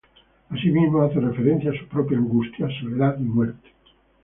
Asimismo hace referencia a su propia angustia, soledad y muerte.